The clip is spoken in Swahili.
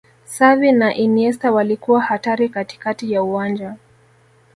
xavi na iniesta walikuwa hatari katikati ya uwanja